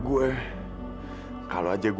jok buka jok